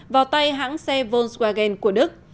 vào tay hãng xe volkswagen của đức